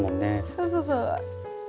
そうそうそう。